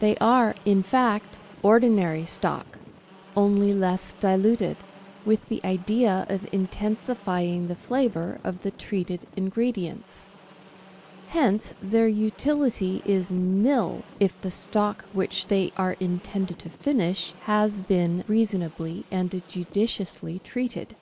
They are, in fact, ordinary stock, only less diluted, with the idea of intensifying the flavour of the treated ingredients r hence their utility is nil if the stock which they are intended to finish has been reasonably and judiciously treated.